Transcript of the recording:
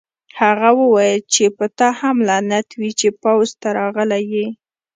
هغه وویل چې په تا هم لعنت وي چې پوځ ته راغلی یې